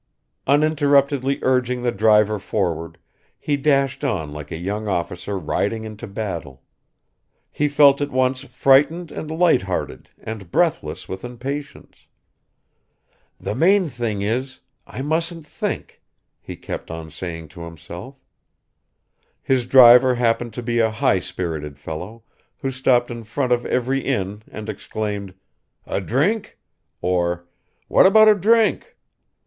Uninterruptedly urging the driver forward, he dashed on like a young officer riding into battle; he felt at once frightened and lighthearted and breathless with impatience. "The main thing is I mustn't think," he kept on saying to himself. His driver happened to be a high spirited fellow, who stopped in front of every inn and exclaimed, "A drink?" or "What about a drink?"